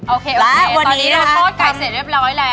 โอเควันนี้เราทอดไก่เสร็จเรียบร้อยแล้ว